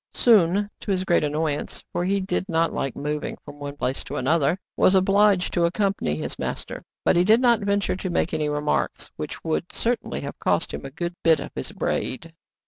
Soun, to his great annoyance, — for he did not like moving from one place to another, — was obliged to accompany his master. But he did not venture to make any remarks, which would certainly have cost him a good bit of his braid.